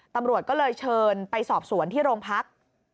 ตำรวจก็เลยเชิญไปสอบสวนที่โรงพัก